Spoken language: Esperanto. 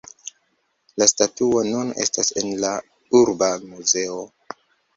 La statuo nun estas en la urba muzeo.